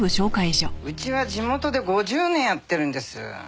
うちは地元で５０年やってるんです。